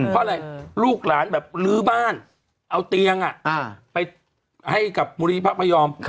เพราะอะไรลูกหลานแบบลื้อบ้านเอาเตียงไปให้กับบุรีพระพยอม